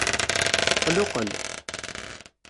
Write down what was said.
Qluqqel.